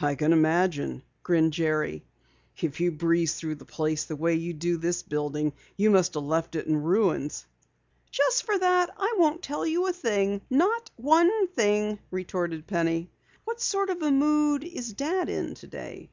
"I can imagine," grinned Jerry. "If you breezed through the place the way you do this building, you must have left it in ruins." "Just for that, I won't tell you a thing, not a thing," retorted Penny. "What sort of a mood is Dad in today?"